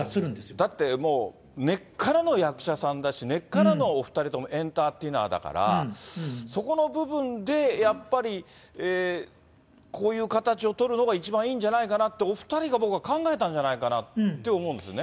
だってもう根っからの役者さんだし、根っからのお２人ともエンターティナーだから、そこの部分で、やっぱりこういう形を取るのが一番いいんじゃないかなって、お２人が僕は考えたんじゃないかなって、思うんですよね。